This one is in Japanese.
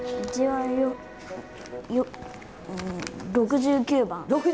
６９番！